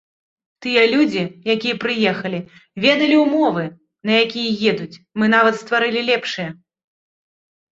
Тыя людзі, якія прыехалі, ведалі ўмовы, на якія едуць, мы нават стварылі лепшыя.